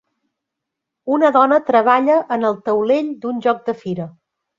Una dona treballa en el taulell d'un joc de fira